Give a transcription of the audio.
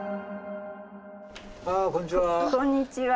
あこんにちは。